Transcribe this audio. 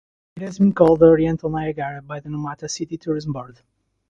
It has been called the "Oriental Niagara" by the Numata City Tourism Board.